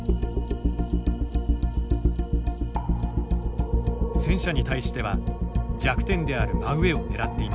戦車に対しては弱点である真上を狙っていました。